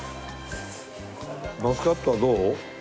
マスカットはどう？